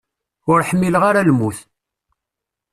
Ur ḥmmileɣ ara lmut.